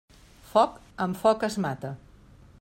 Foc, amb foc es mata.